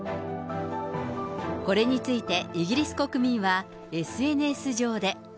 これについて、イギリス国民はＳＮＳ上で。